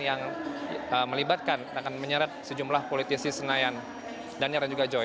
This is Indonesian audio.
yang melibatkan akan menyeret sejumlah politisi senayan daniar dan juga joy